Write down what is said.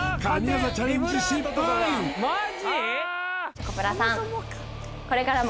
チョコプラさん